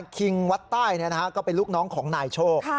คิงวัดใต้ก็เป็นลูกน้องของนายโชค